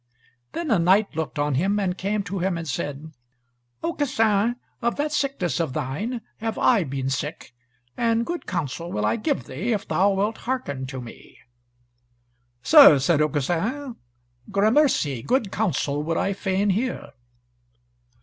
Then a knight looked on him, and came to him, and said: "Aucassin, of that sickness of thine have I been sick, and good counsel will I give thee, if thou wilt hearken to me " "Sir," said Aucassin, "gramercy, good counsel would I fain hear."